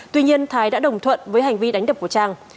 tuy nhiên thái đã đồng thuận với hành vi đánh đập của trang